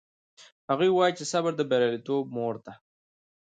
هغوی وایي چې صبر د بریالیتوب مور ده